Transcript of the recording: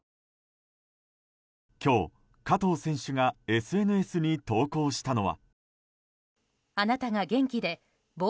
今日、加藤選手がＳＮＳに投稿したのは。